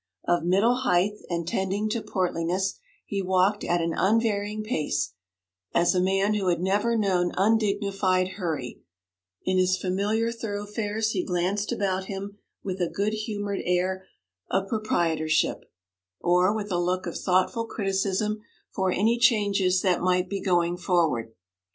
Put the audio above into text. Of middle height, and tending to portliness, he walked at an unvarying pace, as a man who had never known undignified hurry; in his familiar thoroughfares he glanced about him with a good humoured air of proprietorship, or with a look of thoughtful criticism for any changes that might be going forward.